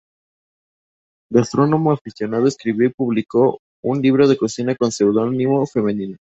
Gastrónomo aficionado, escribió y publicó un libro de cocina con pseudónimo femenino.